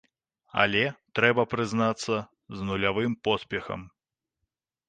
Але, трэба прызнацца, з нулявым поспехам.